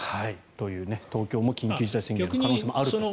東京も緊急事態宣言の可能性があると。